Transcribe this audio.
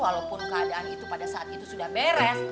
walaupun keadaan itu pada saat itu sudah beres